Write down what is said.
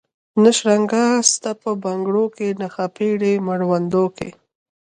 نه شرنګا سته په بنګړو کي نه خپړي مړوندو کي